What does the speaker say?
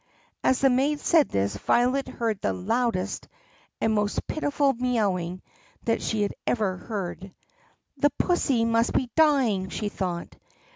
As the maid said this, Violet heard the loudest and most pitiful mee owing that she had ever heard. "The pussy must be dying," she thought.